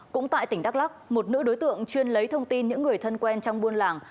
cũng tại tỉnh đắk lắc một nữ đối tượng chuyên lấy thông tin những người thân quen trong buôn làng